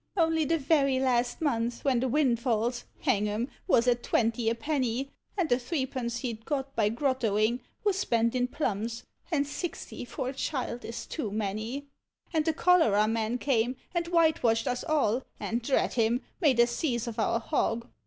Only the very last month when the windfalls, hang 'em, was at twenty a penny! And the threepence he'd got by grottoing was spent in plums, and sixty for a child is too many. Digitized by Google 54 POEMS OF HOME. And the Cholera man came and whitewashed us all, and, drat him! made a seize of our hog.